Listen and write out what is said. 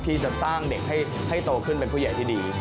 ที่จะสร้างเด็กให้โตขึ้นเป็นผู้ใหญ่ที่ดี